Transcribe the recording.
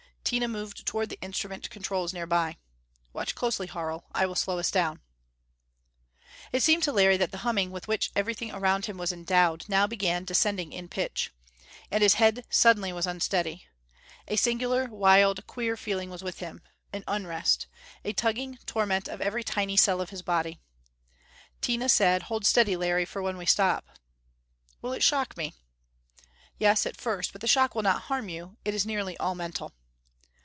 Tina moved toward the instrument controls nearby. "Watch closely, Harl. I will slow us down." It seemed to Larry that the humming with which everything around him was endowed, now began descending in pitch. And his head suddenly was unsteady. A singular, wild, queer feeling was within him. An unrest. A tugging torment of every tiny cell of his body. Tina said. "Hold steady, Larry, for when we stop." "Will it shock me?" "Yes at first. But the shock will not harm you: it is nearly all mental."